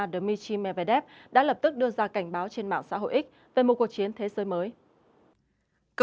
dmitry medvedev đã lập tức đưa ra cảnh báo trên mạng xã hội x về một cuộc chiến thế giới mới